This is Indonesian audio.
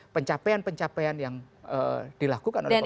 pencapaian pencapaian yang dilakukan oleh pemerintah